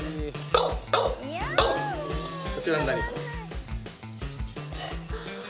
こちらになります